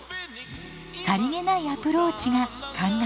さりげないアプローチが考えられていました。